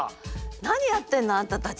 何やってんのあんたたち。